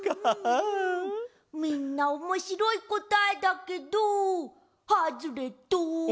みんなおもしろいこたえだけどはずれっと。